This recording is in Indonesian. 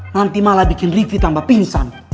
nanti malah bikin livi tambah pingsan